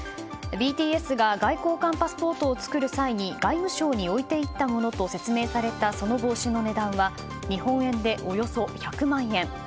ＢＴＳが外交官パスポートを作る際に外務省に置いていったものと説明されたその帽子の値段は日本円でおよそ１００万円。